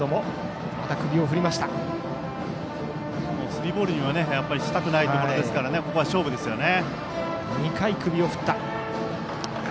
スリーボールにはしたくないのでここは勝負ですよね。